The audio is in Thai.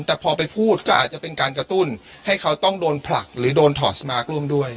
แต่พอไปพูดก็อาจจะเป็นการกระตุ้นให้เขาต้องโดนผลักหรือโดนถอดสมาร์คร่วมด้วย